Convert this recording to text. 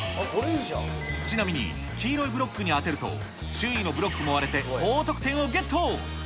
ちなみに黄色いブロックに当てると、周囲のブロックも割れて、高得点をゲット。